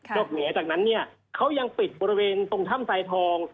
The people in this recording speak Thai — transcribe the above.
นอกเหนือจากนั้นเขายังปิดบริเวณตรงถ้ำสายทอง